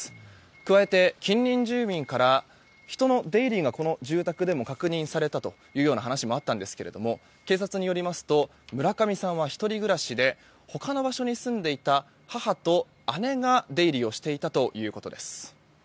加えて、近隣住民から人の出入りがこの住宅でも確認されたというような話もあったんですけども警察によりますと村上さんは１人暮らしで他の場所に住んでいた母と姉が出入りをしていたということです。